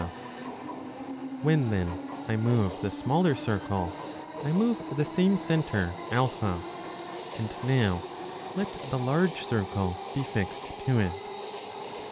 13. When, then, I move the smaller circle, 2 I move the same centre A ; and now let the large circle be fixed to it.